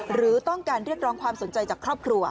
หรือต้องการเรียกร้องความสนใจจากครอบครัว